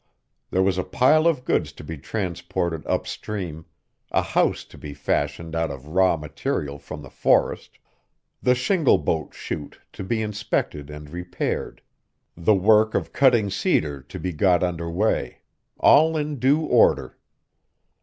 There was a pile of goods to be transported up stream, a house to be fashioned out of raw material from the forest, the shingle bolt chute to be inspected and repaired, the work of cutting cedar to be got under way, all in due order.